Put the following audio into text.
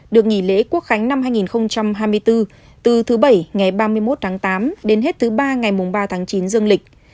được nghỉ lễ quốc khánh năm hai nghìn hai mươi bốn từ thứ bảy ngày ba mươi một tháng tám đến hết thứ ba ngày mùng ba tháng chín dương lịch